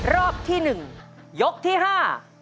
รอบที่หนึ่งยกที่ห้า